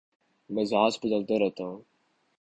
مزاج بدلتا رہتا ہے